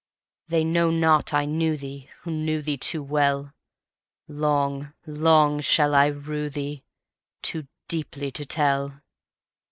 They know not I knew theeWho knew thee too well:Long, long shall I rue theeToo deeply to tell.